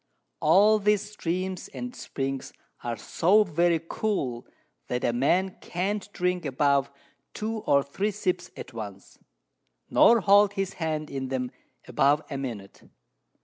All these Streams and Springs are so very cool, that a Man can't drink above 2 or 3 Sips at once, nor hold his Hand in them above a Minute.